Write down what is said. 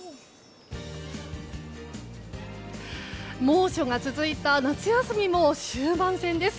猛暑が続いた夏休みも終盤戦です。